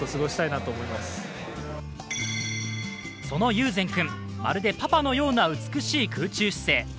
その雄然君、まるでパパのような美しい空中姿勢。